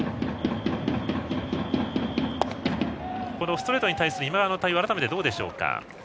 このストレートに対する今川の対応は改めてどうでしょうか？